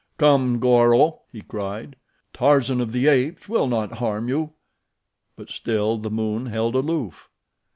"Come, Goro!" he cried, "Tarzan of the Apes will not harm you!" But still the moon held aloof.